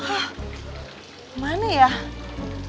kalau nolongin masih kesel masih sakit hati